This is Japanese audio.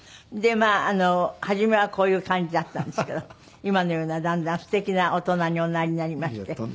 でまあ初めはこういう感じだったんですけど今のようなだんだんすてきな大人におなりになりまして。